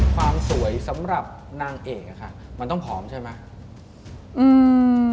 ความสวยสำหรับนางเอกอะค่ะมันต้องผอมใช่ไหมอืม